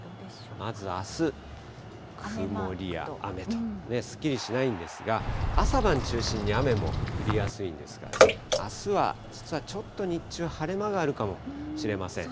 まずあす、曇りや雨と、すっきりしないんですが、朝晩中心に雨も降りやすいんですが、あすは実はちょっと日中、晴れ間があるかもしれません。